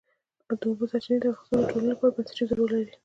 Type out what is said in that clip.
د اوبو سرچینې د افغانستان د ټولنې لپاره بنسټيز رول لري.